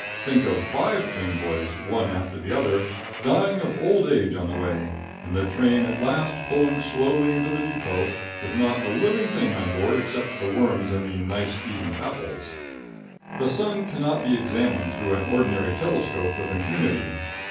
Think of five train boys, one after the other, dying of old age on the way, and the train at last pulling slowly into the depot with not a living thing on board except the worms in the "nice eating apples!" The sun cannot be examined through an ordinary telescope with impunity.